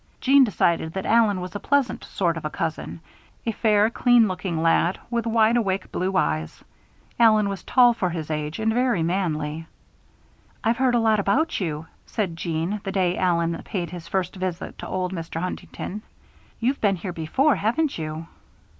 Jeanne decided that Allen was a pleasant "sort of a cousin." A fair, clean looking lad with wide awake blue eyes, Allen was tall for his age and very manly. "I've heard a lot about you," said Jeanne, the day Allen paid his first visit to old Mr. Huntington. "You've been here before, haven't you?"